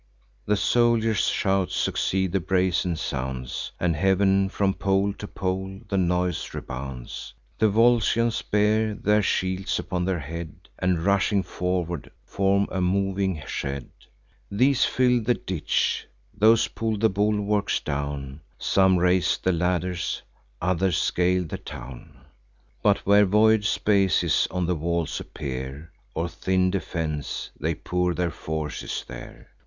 The soldiers' shouts succeed the brazen sounds; And heav'n, from pole to pole, the noise rebounds. The Volscians bear their shields upon their head, And, rushing forward, form a moving shed. These fill the ditch; those pull the bulwarks down: Some raise the ladders; others scale the town. But, where void spaces on the walls appear, Or thin defence, they pour their forces there.